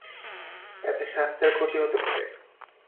এতে স্বাস্থ্যের ক্ষতি হতে পারে।